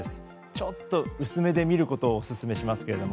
ちょっと薄目で見ることをお勧めしますけれども。